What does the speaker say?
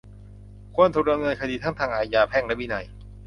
ควรถูกดำเนินคดีทั้งทางอาญา แพ่ง และวินัย